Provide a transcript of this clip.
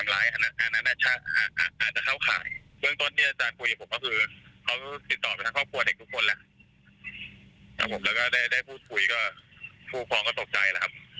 แล้วก็ได้พูดคุยก็ผู้ครองก็ตกใจแล้วครับ